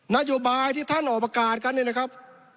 นโยบายที่ท่านออกประกาศกันเนี่ยนะครับ